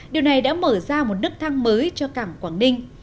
điều này đã mở ra một nức thang mới cho cảng quảng ninh